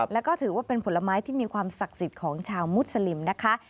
แล้วก็ถือว่าเป็นผลไม้ที่มีความศักดิ์สิทธิ์ของชาวมุสลิมนะคะ